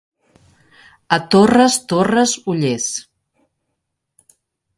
A Torres Torres, ollers.